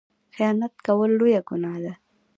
خیانت کول لویه ګناه ده